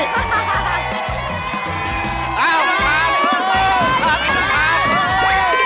ขาดเธอ